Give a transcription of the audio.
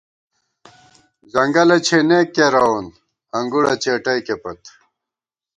ځنگَلہ چھېنېک کېرَوون انگُڑہ څېٹَئیکے پت